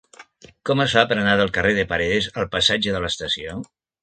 Com es fa per anar del carrer de Paredes al passatge de l'Estació?